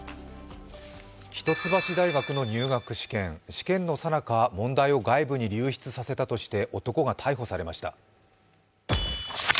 一橋大学の入学試験、試験のさなか、問題を外部に流出させたとして男が逮捕されました。